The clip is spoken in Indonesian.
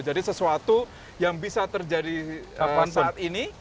jadi sesuatu yang bisa terjadi saat ini